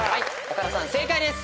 岡田さん正解です。